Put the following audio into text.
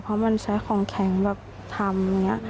เพราะมันใช้ของแข็งแบบทำอย่างนี้